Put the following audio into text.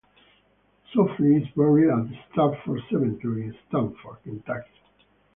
Saufley is buried at Stanford Cemetery in Stanford, Kentucky.